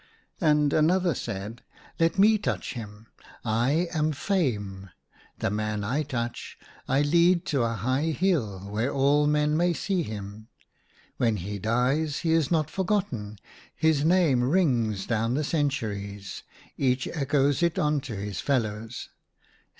And another said. Let me touch him : I am Fame. The man I touch, I lead to a high hill where all men may see him. When he dies he is not for )2 A DREAM OF WILD BEES. gotten, his name rings down the cen turies, each echoes it on to his fellows.